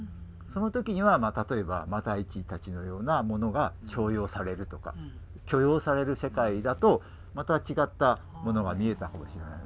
その時にはまあ例えば復一たちのような者が重用されるとか許容される世界だとまた違ったものが見えたかもしれない。